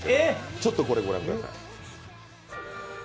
ちょっとこれ御覧ください。